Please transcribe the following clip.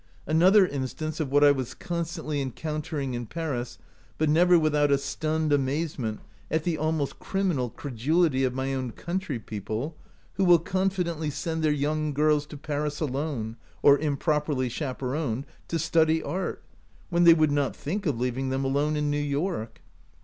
Another instance of what I was constantly encountering in Paris, but never without a stunned amaze ment at the almost criminal credulity of my own countrypeople, "who will confidently send their young girls to Paris alone, or im properly chaperoned, to study art, when they would not think of leaving them alone in New York.